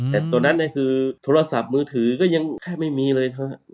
แต่ตอนนั้นคือโทรศัพท์มือถือก็ยังแทบไม่มีเลยเถอะ